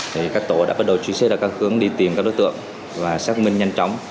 thì các tổ đã bắt đầu truy xét ra các hướng đi tìm các đối tượng và xác minh nhanh chóng